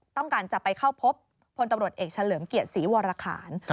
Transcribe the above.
ต้องการจะไปเข้าพบพลตำรวจเอกเฉลิมเกียรติศรีวรคาร